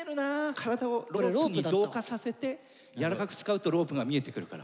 体をロープに同化させて柔らかく使うとロープが見えてくるから。